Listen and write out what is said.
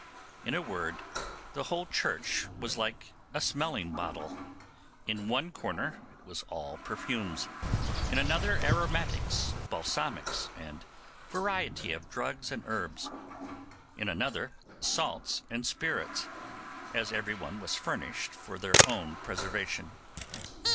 In a word, the whole church was like a smelling bottle; in one corner it was all perfumes; in another, aromatics, balsamics, and variety of drugs and herbs; in another, salts and spirits, as every one was furnished for their own preservation.